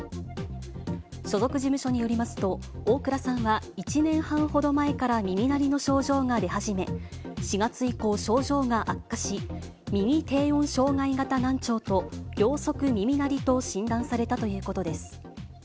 所属事務所によりますと、大倉さんは１年半ほど前から耳鳴りの症状が出始め、４月以降、症状が悪化し、右低音障害型難聴と、両側耳鳴りと診断されたということです。